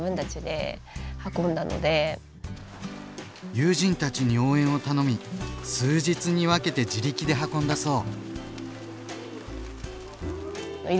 友人たちに応援を頼み数日に分けて自力で運んだそう。